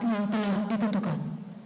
yang telah ditentukan